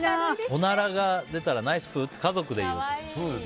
おならが出たらナイスプー！って家族でいうと。